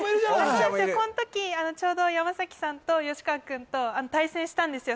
この時ちょうど山さんと川君と対戦したんですよ